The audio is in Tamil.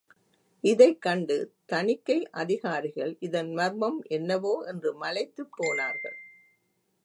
இதைக் கண்டு தணிக்கை அதிகாரிகள் இதன் மர்மம் என்னவோ என்று மலைத்துப் போனார்கள்.